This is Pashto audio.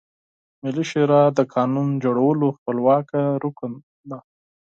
ملي شورا د قانون جوړولو خپلواکه رکن ده.